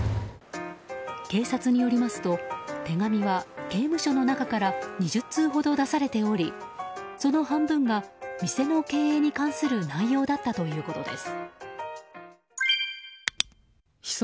警察によりますと手紙は刑務所の中から２０通ほど出されておりその半分が店の経営に関する内容だったということです。